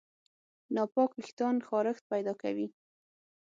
ناپاک وېښتيان خارښت پیدا کوي.